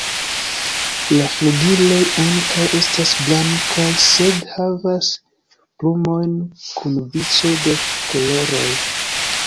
La flugiloj ankaŭ estas blankaj, sed havas plumojn kun vico de koloroj.